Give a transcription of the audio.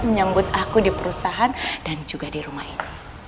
menyambut aku di perusahaan dan juga di rumah itu